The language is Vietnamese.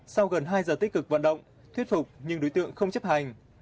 sau gần hai giờ tích cực vận động thuyết phục nhưng đối tượng không chấp hành